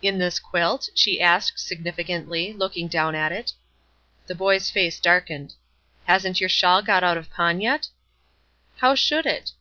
"In this quilt?" she asked, significantly, looking down at it. The boy's face darkened. "Hasn't your shawl got out of pawn yet?" "How should it?"